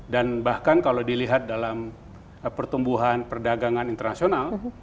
dan bahkan kalau dilihat dalam pertumbuhan perdagangan internasional